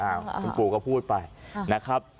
คุณปู่ก็พูดไปนะครับ